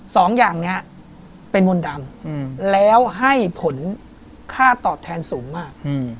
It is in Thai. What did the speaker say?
สองอย่างนี้เป็นมนต์ดำแล้วให้ผลค่าตอบแทนสูงมาก